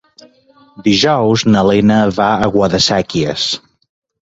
Dijous na Lena va a Guadasséquies.